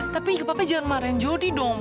tapi iya papa jangan marahin jodi dong